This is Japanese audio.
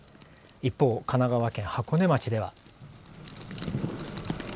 一方、神奈川県箱根町では。